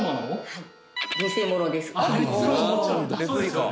はい。